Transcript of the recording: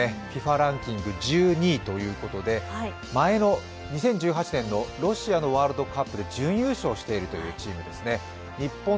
ランキング１２位ということで、２０１８年のロシアワールドカップで準優勝しているチームですね。